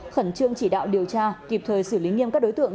khẩn trương chỉ đạo điều tra kịp thời xử lý nghiêm các đối tượng